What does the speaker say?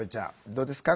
どうですか？